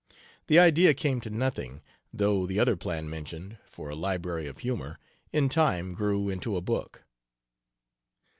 The idea came to nothing, though the other plan mentioned for a library of humor in time grew into a book.